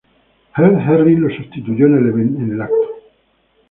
Heath Herring lo sustituyó en el evento.